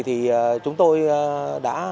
thì chúng tôi đã